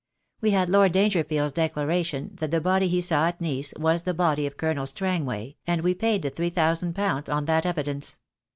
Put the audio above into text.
We had Lord Dangerheld's declaration that the body he saw at Nice was the body of Colonel Strangway, and we paid the £3,000 on that evidence.